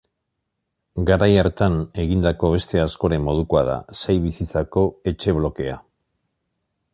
Garai hartan egindako beste askoren modukoa da, sei bizitzako etxe-blokea.